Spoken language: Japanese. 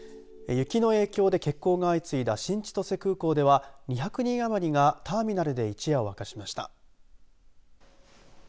雪の影響で欠航が相次いだ新千歳空港では２００人余りがターミナルで一夜を明かしました。